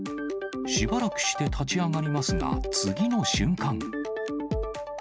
しばらくして立ち上がりますが、次の瞬間。